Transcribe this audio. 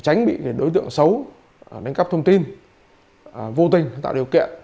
tránh bị đối tượng xấu đánh cắp thông tin vô tình tạo điều kiện